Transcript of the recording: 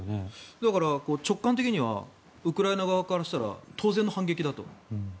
だから直感的にはウクライナ側からしたら当然の反撃だと。